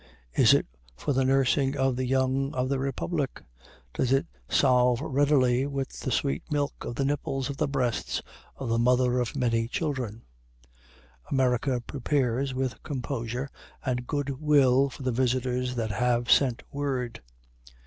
Is it for the nursing of the young of the republic? Does it solve readily with the sweet milk of the nipples of the breasts of the Mother of Many Children? America prepares with composure and good will for the visitors that have sent word.